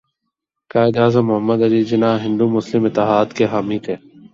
قائداعظم محمد علی جناح ہندو مسلم اتحاد کے حامی تھے